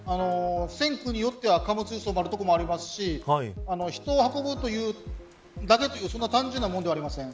線区によっては貨物輸送がある所もありますし人を運ぶというだけというそんな単純なものではありません。